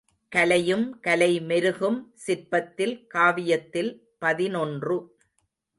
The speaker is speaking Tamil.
கலையும் கலை மெருகும் சிற்பத்தில் காவியத்தில் பதினொன்று .